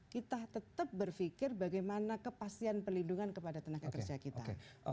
kita tetap berpikir bagaimana kepastian perlindungan kepada tenaga kerja kita